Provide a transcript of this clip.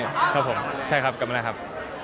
โอเคครับกลับมาแล้วครับ